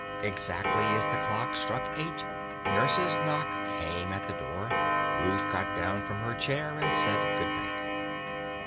Exactly as the clock struck eight Nurse's knock came at the door, Ruth got down from her chair and said good night.